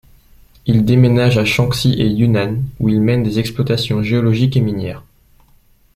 Il déménage à Shanxi et Yunnan, où il mène des exploitations géologiques et minières.